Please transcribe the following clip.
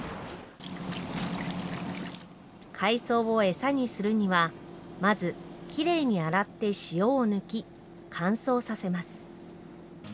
海藻を餌にするにはまずきれいに洗って塩を抜き乾燥させます。